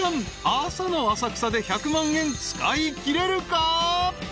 朝の浅草で１００万円使いきれるか？］